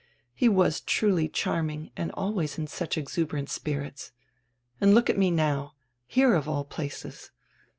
He was truly charming and always in such exuberant spirits. And look at me now! Here, of all places!